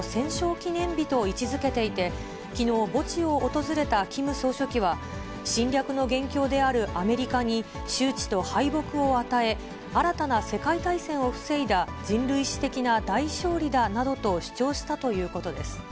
記念日と位置づけていて、きのう、墓地を訪れたキム総書記は、侵略の元凶であるアメリカに羞恥と敗北を与え、新たな世界大戦を防いだ人類史的な大勝利だなどと主張したということです。